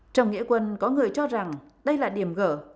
trong nghĩa quân có người cho rằng đây là điểm gỡ